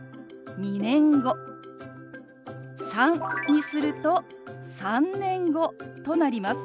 「３」にすると「３年後」となります。